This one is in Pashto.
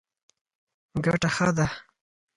ګټه ښه ده.